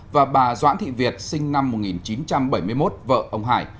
và bà doãn thị việt sinh năm một nghìn chín trăm bảy mươi một vợ ông hải